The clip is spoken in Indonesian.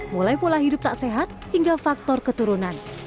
mulai pola hidup tak sehat hingga faktor keturunan